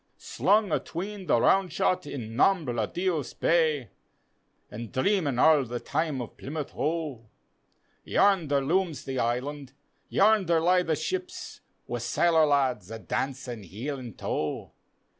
Slung atween the round shot in Nombre Dios Bay, An' dreamin' arl the time o' Plymouth Hoe. Yamder lumes the Island, yamdcr lie the ships, Wi' sailor lads a dancin' heel an' toe.